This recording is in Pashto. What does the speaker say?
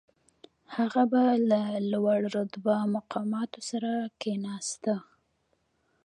هغه به له لوړ رتبه مقاماتو سره کښېناسته.